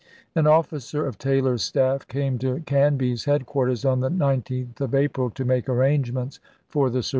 An officer of Taylor's staff came to Canby's headquarters on the 19th of April to make arrangements for the sur i865.